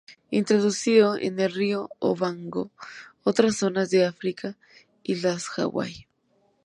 Introducido en el río Okavango, otras zonas de África y las Hawaii.